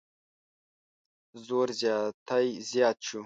زور زیاتی زیات شو.